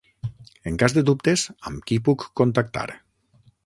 En cas de dubtes amb qui puc contactar?